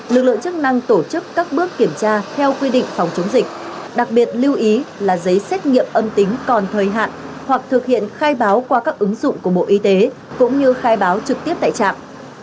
lực lượng chức năng tổ chức các bước kiểm tra theo quy định phòng chống dịch đặc biệt lưu ý là giấy xét nghiệm âm tính còn thời hạn hoặc thực hiện khai báo qua các ứng dụng của bộ y tế cũng như khai báo trực tiếp tại trạm